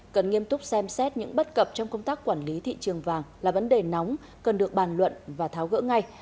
cần nghiêm túc xem xét những bất cập trong công tác quản lý thị trường vàng là vấn đề nóng cần được bàn luận và tháo gỡ ngay